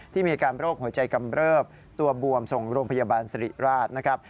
มีอาการโรคหัวใจกำเริบตัวบวมส่งโรงพยาบาลสิริราชนะครับ